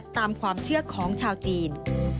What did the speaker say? ตามความเชื่อของชาวจีน